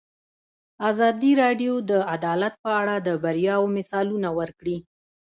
ازادي راډیو د عدالت په اړه د بریاوو مثالونه ورکړي.